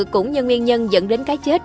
cũng như nguyên nhân dẫn đến cái chết